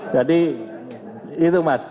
jadi itu mas